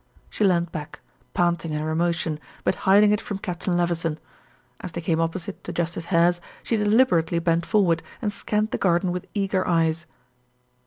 She leaned back, panting in her emotion, but hiding it from Captain Levison. As they came opposite to Justice Hare's she deliberately bent forward and scanned the garden with eager eyes.